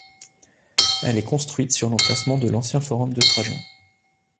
Elle est construite sur l'emplacement de l'ancien Forum de Trajan.